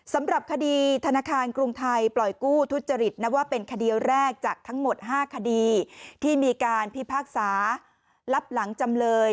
สำหรับคดีธนาคารกรุงไทยปล่อยกู้ทุจริตนับว่าเป็นคดีแรกจากทั้งหมด๕คดีที่มีการพิพากษารับหลังจำเลย